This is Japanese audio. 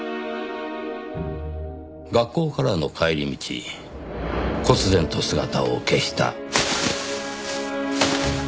学校からの帰り道忽然と姿を消した。